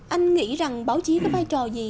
anh nghĩ rằng báo chí có vai trò gì